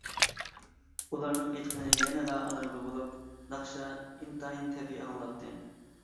ئۇلارنىڭ ئېيتقىنى يەنىلا «ئانارگۈل» بولۇپ، ناخشا ئىنتايىن تەبىئىي ئاڭلىناتتى.